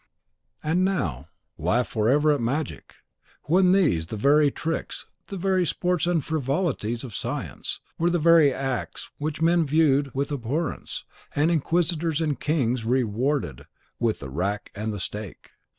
.... "And now laugh forever at magic! when these, the very tricks, the very sports and frivolities of science, were the very acts which men viewed with abhorrence, and inquisitors and kings rewarded with the rack and the stake."